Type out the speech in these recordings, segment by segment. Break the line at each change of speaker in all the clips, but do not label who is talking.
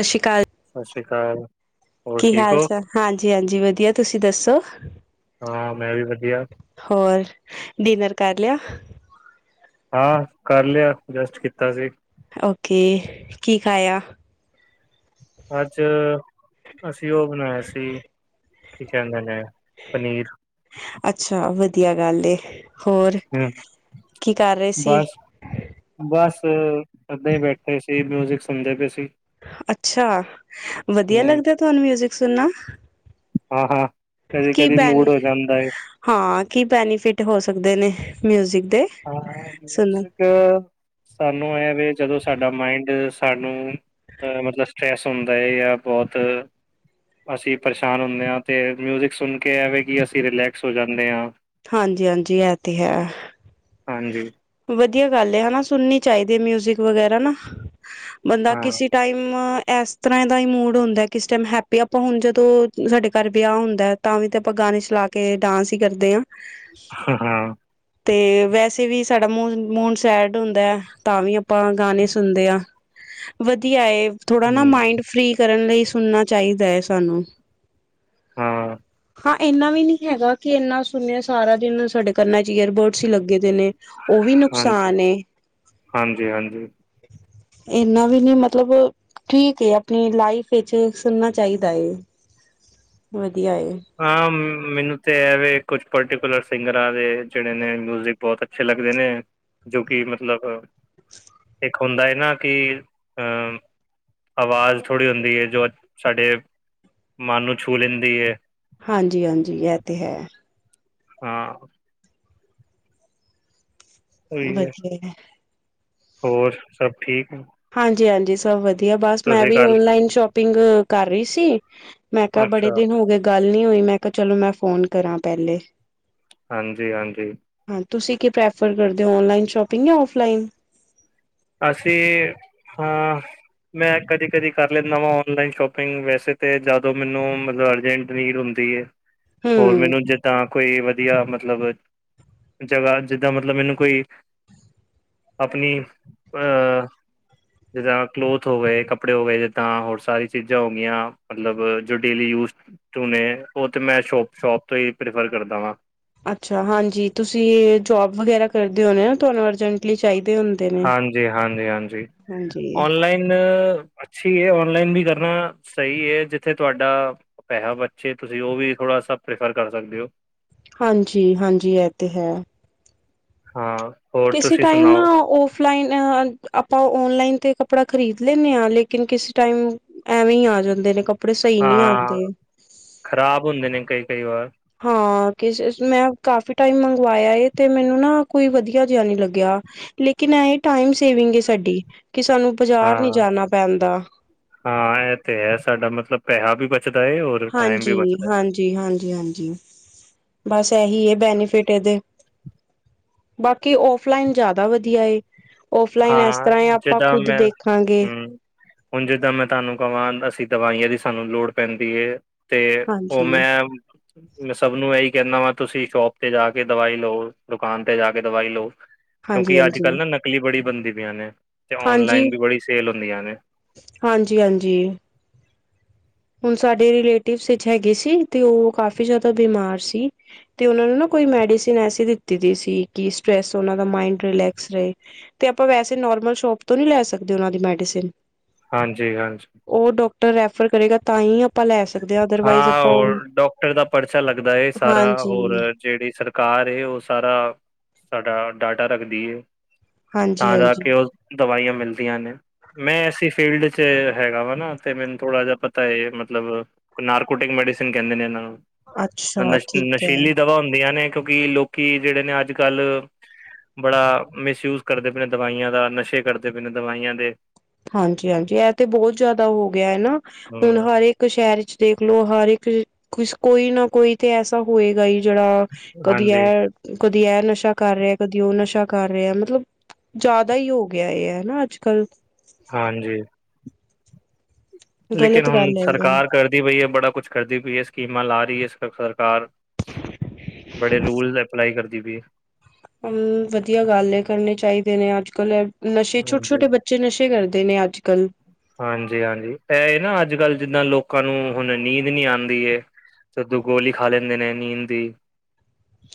ਸਤਿ ਸ਼੍ਰ ਅਕਾਲ-
ਸਤਿ ਸ਼੍ਰੀ ਅਕਾਲ- ਹੋਰ
ਕੀ
ਠੀਕ
ਹਾਲ
ਹੋ
ਚਾਲ, ਹਾਂਜੀ ਹਾਂਜੀ ਵਧੀਆ, ਤੁਸੀਂ ਦੱਸੋ
ਹਾਂ ਮੈਂ ਵੀ ਵਧੀਆ
ਹੋਰ, ਡਿਨਰ ਕਰ ਲਿਆ-
ਹਾਂ ਕਰ ਲਿਆ, ਜਸਟ ਕੀਤਾ ਸੀ-
ਓਕੇ, ਕੀ ਖਾਇਆ-
ਅੱਜ ਅਸੀਂ ਉਹ ਬਣਾਇਆ ਸੀ, ਕੀ ਕਹਿੰਦੇ ਨੇ ਪਨੀਰ
ਅੱਛਾ ਵਧੀਆ ਗੱਲ, ਹੋਰ
ਹਮ
ਕੀ ਕਰ ਰਹੇ ਸੀ
ਬਸ ਬਸ ਏਦਾਂ ਹੀ ਬੈਠੇ ਸੀ, ਮਿਊਜਿਕ ਸੁਨਦੇ ਪਏ ਸੀ।
ਅੱਛਾ, ਵਧੀਆ
ਹਮ
ਲੱਗਦਾ ਤੁਹਾਨੂੰ ਮਿਊਜਿਕ ਸੁਣਨਾ?
ਹਾਂ ਹਾਂ, ਕਦੀ
ਕੀ
ਕਦੀ ਮੂਡ
ਬੈਨੀ
ਹੋ ਜਾਂਦਾ।
ਹਾਂ, ਕੀ ਬੈਨੀਫਿਟ ਹੋ ਸਕਦੇ ਨੇ ਮਿਊਜਿਕ ਦੇ?
ਹਾਂ,
ਸੁਣਨ
ਮਿਊਜਿਕ ਸਾਨੂੰ ਇਹ ਵੀ ਜਦੋਂ ਸਾਡਾ ਮਾਈੰਡ ਸਾਨੂੰ ਅਹ ਮਤਲਬ, ਸਟਰ੍ਰੈਸ ਹੁੰਦਾ ਹੈ ਜਾਂ ਬਹੁਤ, ਅਸੀਂ ਪਰੇਸ਼ਾਨ ਹੁੰਦੇ ਹਾਂ ਅਤੇ ਮਿਊਜ਼ਿਕ ਸੁਣ ਕੇ ਇਹ ਵੇ, ਕਿ ਅਸੀਂ ਰਿਲੈਕਸ ਹੋ ਜਾਂਦੇ ਹਾਂ।
ਹਾਂਜੀ ਹਾਂਜੀ, ਇਹ ਤੇ ਹੈ।
ਹਾਂਜੀ।
ਵਧੀਆ ਗੱਲ ਹਨਾ, ਸੁਣਨੀ ਚਾਹੀਦੀ ਹੈ ਮਿਊਜਿਕ ਵਗੈਰਾ ਨਾ- ਬੰਦਾ
ਹਾਂ,
ਕਿਸੇ ਟਾਈਮ, ਇਸ ਤਰ੍ਹਾਂ ਦਾ ਹੀ ਮੂਡ ਹੁੰਦਾ ਕਿਸ ਟੈਮ ਹੈਪੀ ਹੈ ਆਪਾਂ ਹੁਣ ਜਦੋਂ ਸਾਡੇ ਘਰ ਵਿਆਹ ਹੁੰਦਾ, ਤਾਂ ਵੀ ਤਾਂ ਆਪਾਂ ਗਾਣੇ ਚਲਾ ਕੇ ਡਾਂਸ ਹੀ ਕਰਦੇ ਹਾਂ।
ਹਾਂ ਹਾਂ
ਤੇ ਵੈਸੇ ਵੀ ਸਾਡਾ ਮੂਡ ਸੈਡ ਹੁੰਦਾ, ਤਾਂ ਵੀ ਆਪਾਂ ਗਾਣੇ ਸੁਣਦੇ ਹਾਂ। ਵਧੀਆ ਏ। ਥੋੜ੍ਹਾ ਨਾ
ਹੂੰ,
ਮਾਇੰਡ ਫ੍ਰਰੀ ਕਰਨ ਲਈ ਸੁਣਨਾ ਚਾਹੀਦਾ ਹੈ ਸਾਨੂੰ
ਹਾਂ
ਹਾਂ ਇੰਨਾ ਵੀ ਨਹੀਂ ਹੈਗਾ, ਕਿ ਇੰਨਾ ਸੁਣੀਏ ਸਾਰਾ ਦਿਨ ਸਾਡੇ ਕੰਨਾਂ ਚ ਈਅਰਬੋਡਸ ਹੀ ਲੱਗੇ ਦੇ ਨੇ। ਉਹ ਵੀ
ਹਾਂਜੀ,
ਨੁਕਸਾਨ ਏ।
ਹਾਂਜੀ, ਹਾਂਜੀ।
ਇਨਾ ਵੀ ਨੀ ਮਤਲਬ- ਠੀਕ ਏ ਆਪਣੀ ਲਾਈਫ ਵਿੱਚ ਸੁਣਨਾ ਚਾਹੀਦਾ ਹੈ, ਵਧੀਆ ਏ।
ਹਾਂ, ਮੈਨੂੰ ਤੇ ਇਹ ਵੇ ਕੁਛ ਪਰਟੀਕੁਲਰ ਸਿੰਗਰਾਂ ਦੇ ਜਿਹੜੇ ਨੇ ਮਿਊਜਿਕ ਬਹੁਤ ਅੱਛੇ ਲੱਗਦੇ ਨੇ ਜੋ, ਕਿ ਮਤਲਬ ਇੱਕ ਹੁੰਦਾ ਨਾ, ਕਿ ਅ ਆਵਾਜ਼ ਥੋੜ੍ਹੀ ਹੁੰਦੀ ਹੈ, ਜੋ ਸਾਡੇ ਮਨ ਨੂੰ ਛੂਹ ਲੈਂਦੀ ਹੈ।
ਹਾਂਜੀ ਹਾਂਜੀ, ਐ ਤੇ ਹੈ।
ਹਾਂ ਉਹੀ ਹੈ
ਬੱਚੇ ਏ
ਹੋਰ ਸਭ ਠੀਕ ਏ।
ਹਾਂਜੀ ਹਾਂਜੀ ਸਭ ਵਧੀਆ, ਬਸ ਮੈਂ ਵੀ
ਗੱਲ
ਓਨਲਾਈਨ ਸ਼ੋਪਿੰਗ ਕਰ ਰਹੀ ਸੀ। ਮੈਂ ਕਿਹਾ ਬੜੇ
ਅੱਛਾ
ਦਿਨ ਹੋ ਗਏ ਗੱਲ ਨੀ ਹੋਈ, ਮੈਂ ਕਿਹਾ ਚਲੋ ਮੈਂ ਫੋਨ ਕਰਾਂ ਪਹਿਲੇ।
ਹਾਂਜੀ-ਹਾਂਜੀ।
ਹਾਂ, ਤੁਸੀਂ ਕੀ ਪ੍ਰੈਫਰ ਕਰਦੇ ਹੋ, ਔਨਲਾਈਨ ਸ਼ੋਪਿੰਗ ਜਾਂ ਔਫਲਾਈਨ।
ਅਸੀਂ, ਹਾਂ। ਮੈਂ ਕਦੀ-ਕਦੀ ਕਰ ਲੈਂਦਾ ਵਾ, ਔਨਲਾਈਨ ਸ਼ੋਪਿੰਗ ਵੈਸੇ ਤੇ ਜਦੋਂ ਮੈਨੂੰ ਮਤਲਬ ਅਰਜੈਂਟ। ਭੀੜ ਹੁੰਦੀ ਐ, ਹੋਰ
ਹੂੰ।
ਮੈਨੂੰ ਜਿੱਦਾਂ। ਕੋਈ ਵਧੀਆ, ਮਤਲਬ ਜਗ੍ਹਾ ਜਿੱਦਾਂ ਮਤਲਬ ਮੈਨੂੰ ਕੋਈ ਆਪਣੀ ਅਹ ਜਿੱਦਾਂ ਕਲੋਥ ਹੋ ਗਏ, ਕੱਪੜੇ ਹੋ ਗਏ ਜਿੱਦਾਂ, ਹੋਰ ਸਾਰੀ ਚੀਜ਼ਾਂ ਹੋ ਗਈਆਂ, ਮਤਲਬ ਜੋ ਡੇਲੀ ਯੂਜ਼ ਚੂਨ, ਉਹ ਤੇ ਮੈਂ ਸ਼ੋਪ ਸ਼ੋਪ ਤੋਂ ਹੀ ਪ੍ਰੈਫਰ ਕਰਦਾ ਵਾਂ।
ਅੱਛਾ ਹਾਂਜੀ ਤੁਸੀਂ ਜੋਬ ਵਗੈਰਾ ਕਰਦੇ ਹੋਣੇ ਨਾ ਤੁਹਾਨੂੰ ਜੈਂਟਲੀ ਚਾਹੀਦੇ ਹੁੰਦੇ ਨੇ,
ਹਾਂਜੀ-ਹਾਂਜੀ-ਹਾਂਜੀ।
ਹਾਂਜੀ!
ਔਨਲਾਈਨ ਅੱਛੀ ਹੈ ਔਨਲਾਈਨ ਵੀ ਕਰਨਾ ਸਹੀ ਹੈ, ਜਿੱਥੇ ਤੁਹਾਡਾ ਪੈਸਾ ਬੱਚੇ, ਤੁਸੀਂ ਉਹ ਵੀ ਥੋੜਾ ਸਭ ਪ੍ਰੈਫਰ ਕਰ ਸਕਦੇ ਹੋ।
ਹਾਂਜੀ ਹਾਂਜੀ ਇਹ ਤੇ ਹੈ।
ਹਾਂ। ਹੋਰ
ਕਿਸੀ
ਤੁਸੀਂ
ਟਾਈਮ ਨਾ
ਸੁਣਾਓ
ਉਹ ਆਫਲਾਇਨ, ਆਪਾਂ ਓਨਲਾਈਨ ਤੇ ਕੱਪੜਾ ਖਰੀਦ ਲੈਂਦੇ ਹਾਂ, ਲੇਕਿਨ ਕਿਸੀ ਟਾਈਮ ਐਵੇਂ ਹੀ ਆ ਜਾਂਦੇ ਨੇ ਕੱ
ਹਾਂ, ਖਰਾਬ ਹੁੰਦੇ ਨੇ ਕਈ-ਕਈ ਵਾਰ।
ਹਾਂ ਮੈਂ ਕਾਫੀ ਟਾਈਮ ਮੰਗਵਾਇਆ ਇਹ, ਤੇ ਮੈਨੂੰ ਨਾ ਕੋਈ ਵਧੀਆ ਜਿਹਾ ਨੀ ਲੱਗਿਆ। ਲੇਕਿਨ ਐ ਇਹ ਟਾਈਮ ਸੇਵਿੰਗ ਏ ਸਾਡੀ, ਕਿ ਸਾਨੂੰ ਬਜ਼ਾਰ ਨੀ
ਹਾਂ
ਜਾਣਾ ਪੈਂਦਾ।
ਹਾਂ, ਇਹ ਤੇ ਹੈ, ਸਾਡਾ ਮਤਲਬ ਪੈਸਾ ਵੀ ਬਚਦਾ ਏ ਹੋਰ।
ਹਾਂਜੀ-ਹਾਂਜੀ-ਹਾਂਜੀ-ਹਾਂਜੀ ਬਸ ਇਹੀ ਹੈ, ਬੈਨੀਫਿਟ ਇਹਦੇ। ਬਾਕੀ ਔਫਲਾਈਨ ਜ਼ਿਆਦਾ ਵਧੀਆ ਏ, ਔਫਲਾਈਨ ਇਸ
ਹਾਂ
ਤਰ੍ਹਾਂ ਆਪਾਂ
ਜਿੱਦਾਂ
ਖੁੱਦ
ਮੈਂ
ਦੇਖਾਂਗੇ।
ਹੂੰ ਹੁਣ ਜਿੱਦਾਂ ਮੈਂ ਤੁਹਾਨੂੰ ਕਹਾਂ, ਅਸੀਂ ਦਵਾਈਆਂ ਦੀ ਸਾਨੂੰ ਲੋੜ ਪੈਂਦੀ ਹੈ। ਤੇ ਉਹ
ਹਾਂਜੀ
ਮੈਂ। ਮੈਂ ਸਭ ਨੂੰ ਇਹੀ ਕਹਿੰਦਾ ਵਾ, ਤੁਸੀਂ ਸ਼ੋਪ ਤੇ ਜਾ ਕੇ ਦਵਾਈ ਲਓ, ਦੁਕਾਨ ਤੇ ਜਾ ਕੇ ਦਵਾਈ ਲਓ।
ਹਾਂਜੀ
ਕਿਉਂਕਿ ਅੱਜ-ਕੱਲ੍
ਹਾਂਜੀ
ਨਾ ਨਕਲੀ ਬੜੀ ਬਣਦੀ ਪਈਆਂ ਨੇ, ਤੇ
ਹਾਂਜੀ
ਔਨਲਾਈਨ ਵੀ ਬੜੀ ਸੇਲ ਹੁੰਦੀਆਂ ਨੇ।
ਹਾਂਜੀ-ਹਾਂਜੀ। ਹੁਣ ਸਾਡੇ ਰਲੇਟਿਵਸ ਵਿੱਚ ਹੈਗੇ ਸੀ, ਤੇ ਉਹ ਕਾਫੀ ਜ਼ਿਆਦਾ ਬਿਮਾਰ ਸੀ। ਤੇ ਉਹਨਾਂ ਨੂੰ ਨਾ ਕੋਈ ਮੈਡੀਸਨ ਐਸੀ ਦਿੱਤੀ ਦੀ ਸੀ, ਕਿ ਸਟਰੈਸ ਉਹਨਾਂ ਦਾ ਮਾਇੰਡ ਰਿਲੈਕਸ ਰਹੇ। ਤੇ ਆਪਾਂ ਵੈਸੇ ਨੋਰਮਲ ਸ਼ੋਪ ਤੋਂ ਨਹੀਂ ਲੈ ਸਕਦੇ, ਉਹਨਾਂ ਦੀ ਮੈਡੀਸਿਨ।
ਹਾਂਜੀ-ਹਾਂਜੀ।
ਉਹ ਡਾਕਟਰ ਰੈਫਰ ਕਰੇਗਾ, ਤਾਂ ਹੀ ਆਪਾਂ ਲੈ ਸਕਦੇ ਹਾਂ, ਤੇ।
ਹਾਂ, ਹੋਰ, ਡਾਕਟਰ ਦਾ ਪਰਚਾ ਲੱਗਦਾ ਸਾਰਾ ਹੋਰ।
ਹਾਂਜੀ,
ਜਿਹੜੀ ਸਰਕਾਰ ਏ, ਉਹ ਸਾਰਾ ਸਾਡਾ ਡਾਟਾ ਰੱਖਦੀ ਏ। ਤਾਂ ਜਾ
ਹਾਂਜੀ-ਹਾਂਜੀ
ਕੇ ਉਹ ਦਵਾਈਆਂ ਮਿਲਦੀਆਂ ਨੇ। ਮੈਂ ਐਸੀ ਫੀਲਡ ਚ' ਹੈਗਾ ਵਾ ਨਾ, ਤੇ ਮੈਨੂੰ ਥੋੜ੍ਹਾ ਜਿਹਾ ਪਤਾ ਹੈ ਮਤਲਬ। ਨਾਰਕੋਟਿਕ ਮੈਡੀਸਨ ਕਹਿੰਦੇ ਨੇ ਇਹਨਾਂ ਨੂੰ,
ਅੱਛਾ
ਨਸ਼
ਠੀਕ ਹੈ।
ਨਸ਼ੀਲੀ ਦਵਾ ਹੁੰਦੀਆਂ ਨੇ ਕਿਉਂਕਿ ਲੋਕ। ਕਿ ਜਿਹੜੇ ਨੇ ਅੱਜ-ਕੱਲ੍ਹ। ਬੜਾ ਮਿਸਯੂਜ ਕਰਦੇ ਪਿ ਨੇ ਦਵਾਈਆਂ ਦਾ, ਨਸ਼ੇ ਕਰਦੇ ਪੇ ਨੇ ਦਵਾਈਆਂ ਦੇ।
ਹਾਂਜੀ-ਹਾਂਜੀ ਇਹ ਤੇ ਬਹੁਤ ਜ਼ਿਆਦਾ ਹੋ ਗਿਆ ਹੈ ਨਾ, ਹੁਣ
ਹੂੰ
ਹਰ ਇੱਕ ਕ ਸ਼ੈਅਰ ਚ ਦੇਖ ਲੋ ਹਰ ਏਕ ਕੁਛ ਕੋਈ ਨਾ ਕੋਈ ਤੇ ਐਸਾ ਹੋਏਗਾ ਹੀ- ਜੇਰਾ ਕਦੀ
ਹਾਂਜੀ
ਏ-ਕਦੀ ਏ ਨਸ਼ਾ ਕਰ ਰੇਆ, ਕਦੀ ਔ ਨਸ਼ਾ ਕਰ ਰੇਆ ਮਤਲਬ ਜਾਦਾ ਈ ਓ ਗੇਆ ਏ [unintelligible] ਹਨਾ ਅੱਜ-ਕੱਲ
ਹਾਂਜੀ। ਲੇਕੇਨ
ਗ਼ਲਤ
ਹੁਨ
ਗੱਲ ਹੈ ਜਾਂ
ਸਰਕਾਰ ਕਰ ਕੀ ਵਈ ਏ ਬੜਾ ਕੁਛ ਕਰਦੀ ਪੇਈ ਹੈ ਸਕੀਮਾਂ ਲਾ ਰਹੀ ਹੈ ਸਖਰਕਾਰ। ਬੜੇ ਲੂਲਸ ਐਪਲਾਈ ਕਰਦੀ ਪਈ ਐ।
ਹਮ ਵਧੀਆ ਗੱਲ ਏ ਕਰਨੇ ਚਾਈਦੇ ਨੇ ਅੱਜ ਕਲ ਏ ਨਸ਼ੇ
ਹਾਂਜੀ
ਛੋਟ-ਛੋਟੇ ਬਚ। ਬੱਚੇ ਨਸ਼ੇ ਕਰਦੇ ਨੇ ਅੱਜ-ਕੱਲ।
ਹਾਂਜੀ-ਹਾਂਜੀ ਐਹੇ ਨਾ ਅੱਜ-ਕੱਲ ਜਿੰਨਾ ਲੋਕਾਂ ਨੂੰ ਹੁਨ ਨੀਂਦ ਨੀ ਆਂਦੀ ਏ- ਤੇ ਦੋ [unintelligible] ਗੋਲੀ ਖਾ ਲੈਂਦੇ ਨੇ ਨੀਂਦ ਦੀ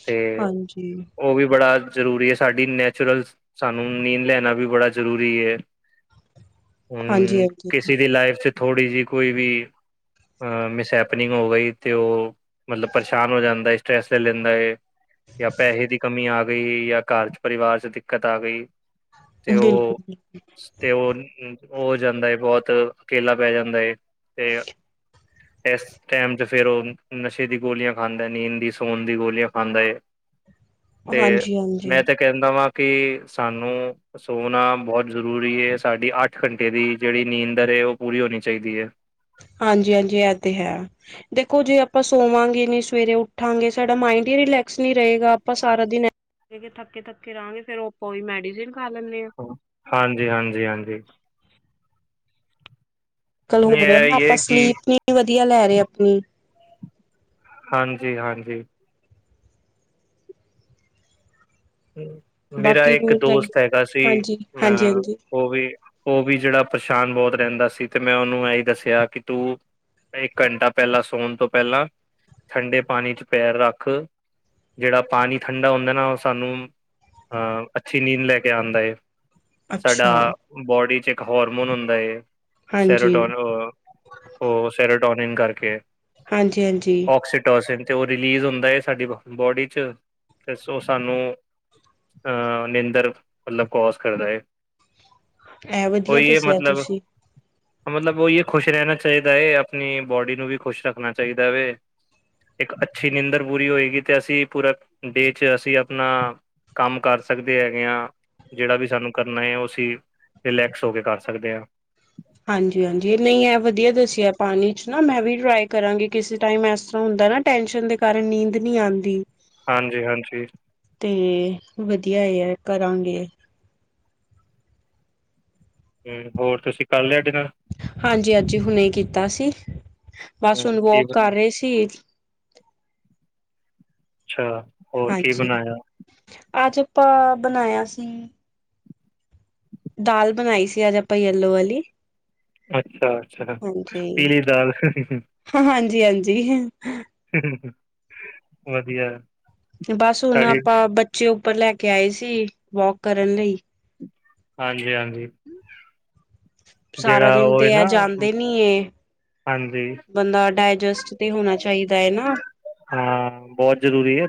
ਤੇ-
ਹਾਂਜੀ
ਓ ਵੀ ਵੜਾ ਜਰੂਰੀ ਏ ਸਾਡੀ ਨੈਚੁਰਲ ਸਾਨੂੰ ਨੀਂਨ ਲੈਨਾ ਵੀ ਵੜਾ ਜ਼ਰੂਰੀ ਏ। ਹੁ
ਹਾਂਜੀ
[unintelligible]
ਹਾਂਜੀ
ਕਿਸੀ ਦੀ ਲਾਈਫ ਚ' ਥੋੜੀ ਜੇਹੀ ਕੋਈ ਵੀ ਅ ਮਿਸ ਹੈਪਨਿੰਗ ਹੋ ਗਈ ਤੇ ਉਹ ਮਲਬ ਪਰਸ਼ਾਨ ਹੋ ਯਾਦਾ ਹੈ। ਸਟਰ੍ਰੈਸ ਲੈ ਲੈਂਦਾ ਹੈ ਯਾ ਪੈਹੇ ਦੀ ਕਮੀ ਆ ਗਈ ਯਾਂ ਘਰ ਚ' ਪਰਿਵਾਸ ਚ' ਦਿਕ ਕਤ ਆ ਗਈ ਤੇ
ਬਿਲਕੁਲ
ਉਹ-ਤੇ ਉਹ। ਹੋ ਜਨਦਾ ਏ ਬਹੁਤ ਕੇਲਾ ਪੈ ਜਾਦਾ ਹੈ। ਤੇ ਐਸ ਟੈਮ ਚ ਫੇਰ ਓ ਨਸ਼ੇ ਦੀ ਗੋਲੀਆਂ ਖਾਂਦਾ ਨੀਂਦ ਦੀ ਸੌਨ ਦੀ ਗੋਲੀਆਂ ਖਾਂਦਾ ਏ। ਤੇ
ਹਾਂਜੀ ਹਾਂਜੀ
ਮੈਂ ਤੇ ਕੈਂਦਾ ਵਾਂ ਕੇ ਸਾਨੂੰ ਸੋਨਾ ਬੋਤ ਜ਼ਰੂਰੀ ਏ ਸਾਡੀ ਅੱਠ ਘੰਟੇ ਦੀ ਜੇੜੀ ਨੀਂਦਰ ਐ ਓ ਪੂਰੀ ਹੋਨੀ ਚਾਈਦੀ ਐ।
ਹਾਂਜੀ-ਹਾਂਜੀ ਐਹ ਤੇ ਹੈ। ਦੇਖੋ ਜੇ ਆਪਾਂ ਸੋਵਾਂਗੇ ਨੀ ਸਵੇਰੇ ਉੱਠਾਂਗੇ ਸਾਡਾ ਮਾਇੰਡ ਈ ਰਿਲੈਕਸ ਨੀ ਰਏਗਾ ਆਪਾਂ ਸਾਰਾ ਦਿਨ ਜੇ ਥੱਕੇ-ਥੱਕੇ ਰਆਂਗੇ ਫੇਰ ਓ ਆਪਾਂ ਓਈ ਮੈਡੀਸਨ ਖਾ ਲੈਂਨੇ ਆਂ।
ਹਾਂਜੀ-ਹਾਂਜੀ-ਹਾਂਜੀ।
ਕਲ ਹੋ ਰਿਆ ਨਾ
ਇਹ
ਆਪਾਂ
ਹੈ ਕਿ
ਸਲੀਪ ਨੀ ਵਦੀਆ ਲੈ ਰਏ ਆਪਨੀ।
ਹਾਂਜੀ-ਹਾਂਜੀ। ਮੇਰਾ
ਬਾਕੀ
ਇੱਕ
ਰੂਲ ਹੈਗੇ।
ਦੋਸਤ ਹੈਗਾ ਸੀ
ਹਾਂਜੀ,
ਅ
ਹਾਂਜੀ-ਹਾਂਜੀ
ਓ ਵੀ ਜੇੜਾ ਪਰੇਸ਼ਾਨ ਬੋਤ ਰੈਂਦਾ ਸੀ ਤੇ ਮੈਂ ਓਨੂੰ ਐਈ ਦੱਸੇਆ ਕੇ ਤੂੰ ਤੇ ਇੱਕ ਘੰਟਾ ਪੈਲਾਂ ਸੌਨ ਤੋਂ ਪੈਲਾਂ ਠੰਡੇ ਪਾਨੀ ਚ ਪੈਰ ਰੱਖ ਜੇੜਾ ਪਾਨੀ ਠੰਡਾ ਹੁੰਦਾ ਨਾ ਓਸ ਤਾਨੂੰ ਅਹ ਅੱਛੀ ਨੀਂਦ ਲੈ ਕੇ ਆਂਦਾ ਏ,
ਅੱਛਾ
ਸਾਡਾ ਬੋਡੀ ਚ ਇੱਕ ਹੋਰਮੋਨ ਹੁੰਦਾ ਏ
ਹਾਂਜੀ,
ਸੈਰੋਟੋਨ ਓ ਸੈਰੇਟੋਨਿਨ ਕਰਕੇ
ਹਾਂਜੀ-ਹਾਂਜੀ।
ਔਕਸੀਟੋਸਿਨ ਤੇ ਓ ਰਿਲੀਜ਼ ਹੁੰਦਾ ਏ ਸਾਡੀ ਬੋਡੀ ਚ ਤੇ ਸੁਸ ਤਾਨੂੰ ਅਹ ਨਿੰਦਰ ਮਤਲਬ ਕੌਸ ਕਰਦਾ ਏ।
ਇਹ ਵਧੀਆ
ਕੋਈ ਏ
ਦੱਸਿਆ
ਮਤਲਬ
ਤੁਸੀਂ।
ਮਤਲਬ ਓਈ ਏ ਖੁਸ਼ ਰੈਨਾ ਚਾਈਦਾ ਏ ਆਪਨੀ ਬੋਡੀ ਨੂੰ ਵੀ ਖੁਸ਼ ਰੱਖਨਾ ਚਾਈਦਾ ਵੇ। ਇੱਕ ਅੱਛੀ ਨਿੰਦਰ ਪੂਰੀ ਹੋਏਗੀ ਤੇ ਅਸੀਂ ਪੂਰਾ ਡੇ ਚ ਅਸੀਂ ਆਪ ਆਪਨਾ ਕੰਮ ਕਰ ਸਕਦੇ ਹੈਗੇ ਆਂ। ਜੇੜਾ ਵੀ ਸਾਨੂੰ ਕਰਨਾ ਐ ਓ ਅਸੀਂ ਰਿਲੈਕਸ ਹੋ ਕੇ ਕਰ ਸਕਦੇ ਆਂ।
ਹਾਂਜੀ-ਹਾਂਜੀ ਏ ਨਈਂ ਐ ਵਦੀਆ ਦੱਸੇਆ ਪਾਨੀ ਚ ਨਾ ਮੈਂ ਵੀ ਟਰਾਏ ਕਰਾਂਗੀ ਕਿਸੇ ਟਾਈਮ ਐਸ ਤਰ੍ਹਾਂ ਹੁੰਦਾ ਨਾ ਟੈਂਨਸ਼ਨ ਦੇ ਕਾਰਨ ਨੀਂਦ ਨੀ ਆਂਦੀ।
ਹਾਂਜੀ-ਹਾਂਜੀ।
ਤੇ ਵਦੀਆ ਐ ਏ ਕਰਾਂਗੇ।
ਹੂੰ ਹੋਰ ਤੁਸੀਂ ਕਰ ਲਿਆ ਡਿਨਰ।
ਹਾਂਜੀ-ਹਾਂਜੀ ਹੁਨੇ ਕੀਤਾ ਸੀ, ਬਸ
ਹਮ
ਹੁਨ
ਕੀ
ਵੌਕ ਕਰ
ਬਣਾਇਆ
ਰਏ ਸੀ।
ਅੱਛਾ। ਹੋਰ ਕੀ
ਹਾਂਜੀ,
ਬਣਾਇਆ
ਅੱਜ ਆਪਾਂ ਬਨਾਏਆ ਸੀ
[inaudible] [inaudible]
ਦਾਲ, ਬਣਾਈ ਸੀ ਅੱਜ ਆਪਾਂ ਯੇਲੋ ਵਾਲੀ।
ਅੱਛਾ, ਅੱਛਾ
ਹਾਂਜੀ
ਪੀਲੀ ਦਾਲ
ਹਾਂਜੀ ਹਾਂਜੀ
[unintelligible] ਵਧੀਆ
ਬਸ ਹੁਣ
ਸਾਡੀ
ਆਪਾਂ ਬੱਚੇ ਉੱਪਰ ਲੈ ਕੇ ਆਏ ਸੀ, ਵੋਕ ਕਰਨ ਲਈ।
ਹਾਂਜੀ ਹਾਂਜੀ
ਸਾਰਾ
ਜਿਹੜਾ
ਦਿਨ
ਉਹ
ਤੇ
ਹੈ
ਏ
ਨਾ
ਜਾਂਦੇ ਨੀ ਏ।
ਹਾਂਜੀ
ਬੰਦਾ ਡਾਇਜਸਟ ਤੇ ਹੋਣਾ ਚਾਹੀਦਾ ਹੈ ਨਾ।
ਹਾਂ ਬਹੁਤ ਜ਼ਰੂਰੀ ਹੈ।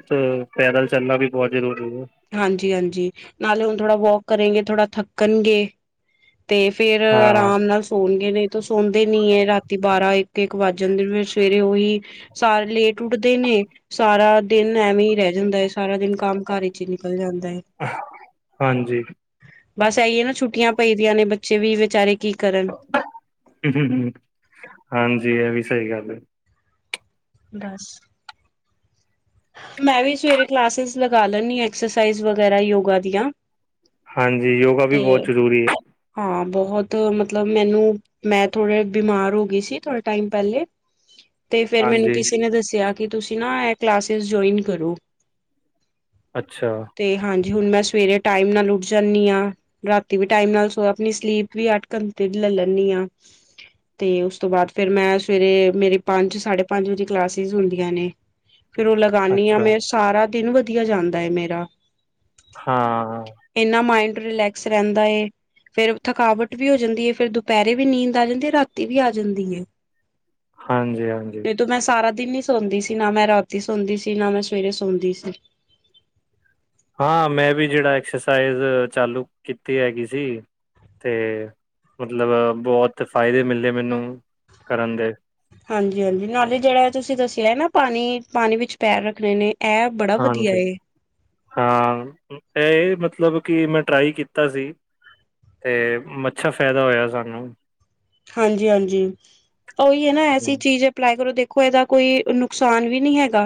ਪੈਦਲ ਚੱਲਣਾ ਵੀ ਬਹੁਤ ਜ਼ਰੂਰੀ ਹੈ
ਹਾਂਜੀ ਹਾਂਜੀ ਨਾਲੇ ਹੁਣ ਥੋੜ੍ਹਾ ਵੋਕ ਕਰੇਗੇ, ਥੋੜਾ ਥੱਕਣਗੇ
[inaudible] [inaudible]
ਤੇ ਫੇਰ
ਹਾਂ
ਆਰਾਮ ਨਾਲ ਸੋਣਗੇ ਨਈ ਤੋ ਸੌਂਦੇ ਨੀ ਹੈ ਰਾਤੀ ਬਾਰਾਂ, ਇੱਕ ਇਕ ਵੱਜ ਜਾਂਦੇ ਨੇ ਫੇਰ ਸਵੇਰੇ ਉਹੀ ਸਾਰੇ ਲੇਟ ਉੱਠਦੇ ਨੇ ਸਾਰਾ ਦਿਨ ਐਵੇਂ ਹੀ ਰਹਿ ਜਾਂਦਾ ਹੈ ਸਾਰਾ ਦਿਨ ਕੰਮ, ਕਾਰ ਵਿੱਚ ਹੀ ਨਿਕਲ ਜਾਂਦਾ ਹੈ।
ਹਾਂਜੀ।
ਬਸ, ਇਹੀਏ ਨਾ ਛੁੱਟੀਆਂ ਪਈਦੀਆਂ ਨੇ ਬੱਚੇ ਵੀ ਵਿਚਾਰੇ ਕੀ ਕਰਨ?
ਹ, ਹ ਹਾਂਜੀ, ਇਹ ਵੀ ਸਹੀ ਗੱਲ ਹੈ।
ਬਸ। ਮੈਂ, ਵੀ ਸਵੇਰੇ ਕਲਾਸਿਸ ਲਗਾ ਲੈਂਦੀ ਹਾਂ ਐਕਸਰਸਾਈਜ਼ ਵਗੈਰਾ ਯੋਗਾ ਦੀਆਂ।
ਹਾਂਜੀ, ਯੋਗਾ ਵੀ
ਤੇ
ਬਹੁਤ ਜ਼ਰੂਰੀ ਹੈ।
ਹਾਂ, ਬਹੁਤ ਮਤਲਬ ਮੈਨੂੰ ਮੈਂ ਥੋੜ੍ਹੇ ਬਿਮਾਰ ਹੋ ਗਈ ਸੀ ਥੋੜ੍ਹੇ ਟਾਈਮ ਪਹਿਲੇ।
[inaudible] [inaudible]
ਤੇ ਫੇਰ, ਮੈਨੂੰ
ਹਾਂਜੀ
ਕਿਸੇ ਨੇ ਦੱਸਿਆ ਕਿ ਤੁਸੀਂ ਨਾ ਇਹ ਕਲਾਸੇਸ ਜੁਆਇਨ ਕਰੋ।
ਅੱਛਾ।
ਤੇ ਹਾਂਜੀ ਹੁਣ ਮੈਂ ਸਵੇਰੇ ਟਾਈਮ ਨਾਲ ਉੱਠ ਜਾਂਦੀ ਹਾਂ, ਰਾਤੀ ਵੀ ਟਾਈਮ ਨਾਲ ਸੋ ਔਰ ਆਪਣੀ ਸਲੀਪ ਵੀ ਅੱਠ ਘੰਟੇ ਦੀ ਲੈ ਲੈਂਦੀ ਹਾਂ। ਤੇ ਉਸ ਤੋਂ ਬਾਅਦ ਫਿਰ ਮੈਂ ਸਵੇਰੇ ਮੇਰੇ ਪੰਜ, ਸਾਢੇ ਪੰਜ ਵਜੇ ਕਲਾਸੇਸ ਹੁੰਦੀਆਂ ਨੇ। ਫਿਰ ਉਹ ਲਗਾਨੀ ਆ
ਅੱਛਾ
ਮੈ, ਸਾਰਾ ਦਿਨ ਵਧੀਆ ਜਾਂਦਾ ਏ ਮੇਰਾ
ਹਾਂ
ਇੰਨਾ ਮਾਇੰਡ ਰਿਲੈਕਸ ਰਹਿੰਦਾ ਏ। ਫੇਰ ਥਕਾਵਟ ਵੀ ਹੋ ਜਾਂਦੀ ਏ, ਫੇਰ ਦੁਪਹਿਰੇ ਵੀ ਨੀਂਦ ਆ ਜਾਂਦੀ, ਰਾਤੀ ਵੀ ਆ ਜਾਂਦੀ ਏ।
ਹਾਂਜੀ ਹਾਂਜੀ।
ਨਹੀਂ ਤੋ ਮੈਂ ਸਾਰਾ ਦਿਨ ਨੀ ਸੌਦੀ ਸੀ, ਨਾ ਮੈਂ ਰਾਤੀ ਸੌਦੀ ਸੀ ਨਾ ਮੈਂ ਸਵੇਰੇ ਸੌਦੀ ਸੀ।
ਹਾਂ ਮੈਂ ਵੀ ਜਿਹੜਾ ਐਕਸਰਸਾਈਜ਼ ਚਾਲੂ ਕੀਤੀ ਹੈਗੀ ਸੀ। ਤੇ ਮਤਲਬ ਬਹੁਤ ਫ਼ਾਇਦੇ ਮਿਲੇ ਮੈਨੂੰ ਕਰਨ ਦੇ
ਹਾਂਜੀ ਹਾਂਜੀ, ਨਾਲੇ ਜਿਹੜਾ ਇਹ ਤੁਸੀਂ ਦੱਸਿਆ ਨਾ ਪਾਣੀ ਪਾਣੀ ਵਿੱਚ ਪੈਰ ਰੱਖਣੇ ਨੇ, ਇਹ ਬੜਾ ਵਧੀਆ
ਹਾਂਜੀ
ਏ
ਹਾਂ ਇਹ ਮਤਲਬ ਕਿ ਮੈਂ ਟਰਾਈ ਕੀਤਾ ਸੀ। ਅਤੇ ਮੱਸ਼ਾ ਫਾਇਦਾ ਹੋਇਆ ਸਾਨੂੰ,
ਹਾਂਜੀ ਹਾਂਜੀ, ਉਹੀ ਹੈ ਨਾ ਐਸੀ
ਹਮ,
ਚੀਜ਼ ਏ ਅਪਲਾਈ ਕਰੋ ਦੇਖੋ ਇਹਦਾ ਕੋਈ ਨੁਕਸਾਨ ਵੀ ਨਹੀਂ ਹੈਗਾ।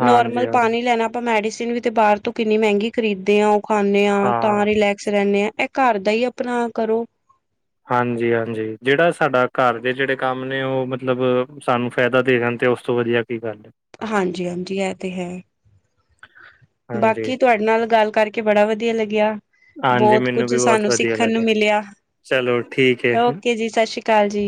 ਹਾਂਜੀ
ਨੋਰਮਲ
ਹਾਂਜੀ
ਪਾਣੀ ਲੈਣਾ ਆਪਾਂ ਮੈਡੀਸਨ ਵੀ ਤੇ ਬਾਹਰ ਤੋਂ ਕਿੰਨੀ ਮਹਿੰਗੀ ਖਰੀਦਦੇ ਹਾਂ ਉਹ ਖਾਂਦੇ ਹਾਂ ਤਾਂ ਰਿਲੈਕਸ ਰਹਿੰਨੇ ਆ। ਇਹ ਘਰ ਦਾ ਹੀ ਅਪਣਾ ਕਰੋ।
ਹਾਂਜੀ ਹਾਂਜੀ ਜਿਹੜਾ ਸਾਡਾ ਘਰ ਦੇ ਜਿਹੜੇ ਕੰਮ ਨੇ ਉਹ ਮਤਲਬ ਸਾਨੂੰ ਫਾਇਦਾ ਦੇ ਜਾਣ ਤੇ ਉਸ ਤੋਂ ਵਧੀਆ ਕੀ ਗੱਲ,
ਹਾਂਜੀ ਹਾਂਜੀ, ਇਹ ਤੇ ਹੈ।
ਹਾਂਜੀ
ਬਾਕੀ ਤੁਹਾਡੇ ਨਾਲ ਗੱਲ ਕਰਕੇ ਬੜਾ ਵਧੀਆ ਲੱਗਿਆ।
ਹਾਂਜੀ
ਬਹੁਤ ਕੁਝ
ਮੈਨੂੰ ਵੀ ਬਹੁਤ
ਸਾਨੂੰ
ਵਧੀਆ
ਸਿੱਖਣ ਨੂੰ
ਲੱਗਿਆ
ਮਿਲਿਆ
ਚਲੋ ਠੀਕ ਏ।
ਓਕੇ ਜੀ ਸਾਸਰੀ ਕਾਲ ਜੀ।